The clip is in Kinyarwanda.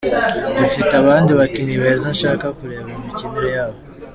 Dufite abandi bakinnyi beza nshaka kureba imikinire yabo.